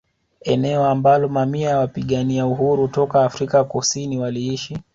Eneo ambalo mamia ya wapigania uhuru toka Afrika Kusini waliishi